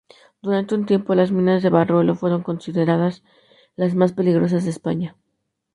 Durante un tiempo, las minas de Barruelo fueron consideradas las más peligrosas de España.